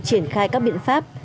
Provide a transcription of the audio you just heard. triển khai các biện pháp